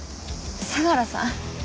相良さん？